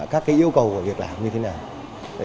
các yêu cầu của việc làm như thế nào